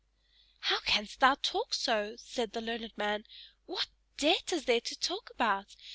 "How canst thou talk so?" said the learned man. "What debt is there to talk about?